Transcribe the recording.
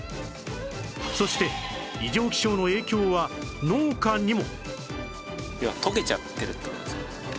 そして異常気象の影響は農家にも